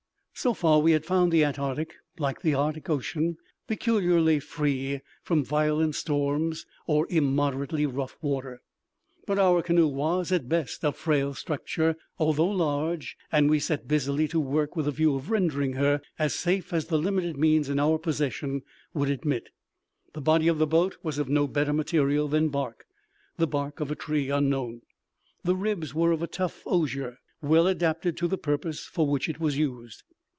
So far we had found the Antarctic, like the Arctic Ocean, peculiarly free from violent storms or immoderately rough water; but our canoe was, at best, of frail structure, although large, and we set busily to work with a view of rendering her as safe as the limited means in our possession would admit. The body of the boat was of no better material than bark—the bark of a tree unknown. The ribs were of a tough osier, well adapted to the purpose for which it was used.